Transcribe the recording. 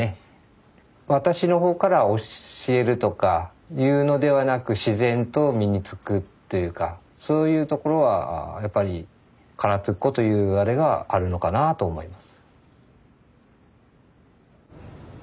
私の方から教えるとかいうのではなく自然と身につくというかそういうところはやっぱり唐津っ子というあれがあるのかなあと思います。